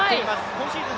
今シーズン